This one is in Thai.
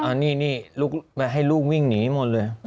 อันนี้ลูกให้ลูกวิ่งหนีหมดเลย